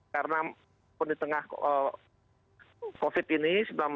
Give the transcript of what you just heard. karena pun di tengah covid sembilan belas ini